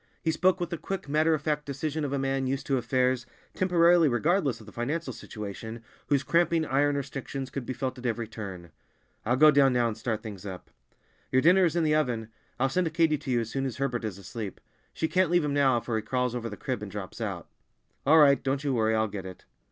He spoke with the quick, matter of fact decision of a man used to affairs, temporarily regardless of the financial situation, whose cramping iron restrictions could be felt at every turn. "I'll go down now and start things up!" "Your dinner is in the oven. I'll send Katy to you as soon as Herbert is asleep. She can't leave him now, for he crawls over the crib and drops out." "All right! Don't you worry, I'll get it."